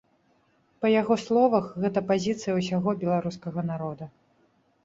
Па яго словах, гэта пазіцыя ўсяго беларускага народа.